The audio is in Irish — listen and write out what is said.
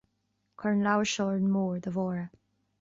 Cuir an leabhar seo ar an mbord, a Mháire